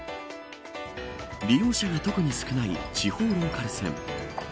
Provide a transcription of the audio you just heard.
利用者が特に少ない地方ローカル線。